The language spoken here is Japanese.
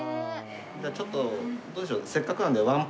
じゃあちょっとどうでしょう？